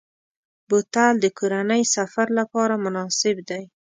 بوتل د کورنۍ سفر لپاره مناسب دی.